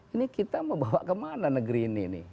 ini kita mau bawa kemana negeri ini nih